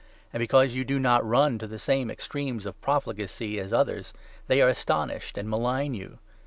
And, because you do not run to the same 4 extremes of profligacy as others, they are astonished, and malign you.